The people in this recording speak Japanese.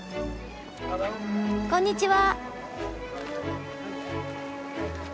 こんにちは。